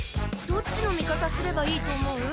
どっちの味方すればいいと思う？